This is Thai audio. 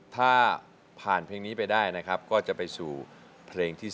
ถ้าผ่านเพลงนี้ไปได้นะครับก็จะไปสู่เพลงที่๓